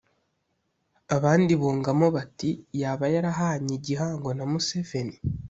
abandi bungamo bati: «yaba yarahanye igihango na museveni.»